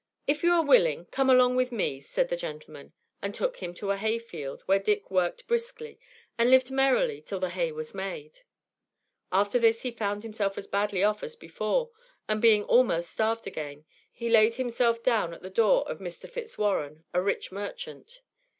"If you are willing, come along with me," said the gentleman, and took him to a hay field, where Dick worked briskly, and lived merrily till the hay was made. After this he found himself as badly off as before; and being almost starved again, he laid himself down at the door of Mr. Fitzwarren, a rich merchant.